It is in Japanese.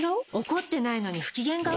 怒ってないのに不機嫌顔？